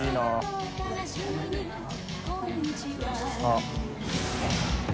あっ。